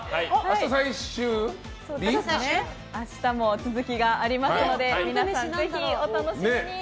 明日も続きがありますので皆さん、ぜひお楽しみに。